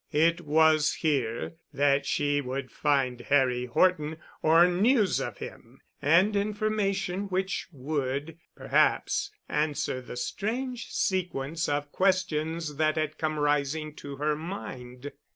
It was here that she would find Harry Horton or news of him, and information which would perhaps answer the strange sequence of questions that had come rising to her mind.